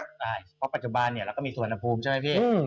เพราะปัจจุบันเนี่ยเราก็มีสวรรค์นภูมิใช่ไหมพี่